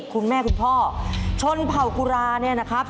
คุณแม่คุณพ่อชนเผากุลาเนี่ยนะครับ